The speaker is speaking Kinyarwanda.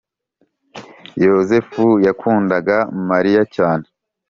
Yozefu yakundaga mariya cyane